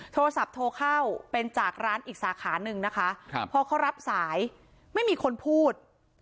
โทรศัพท์โทรเข้าเป็นจากร้านอีกสาขาหนึ่งนะคะพอเขารับสายไม่มีคนพูด